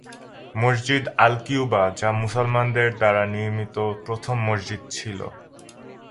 মসজিদ আল-কিউবা, যা মুসলমানদের দ্বারা নির্মিত প্রথম মসজিদ ছিল।